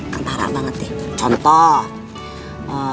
kan parah banget deh contoh